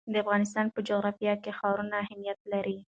د افغانستان په جغرافیه کې ښارونه اهمیت لري.